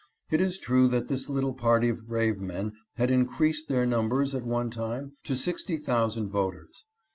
It is true that this little party of brave men had increased their numbers at one time to sixty thousand voters.